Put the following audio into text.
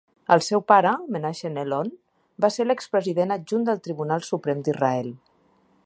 El seu pare, Menachem Elon, va ser l'expresident adjunt del Tribunal Suprem d'Israel.